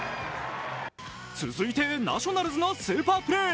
続いてナショナルズのスーパープレー。